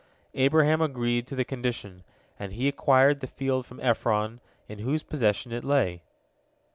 Abraham agreed to the condition, and he acquired the field from Ephron, in whose possession it lay.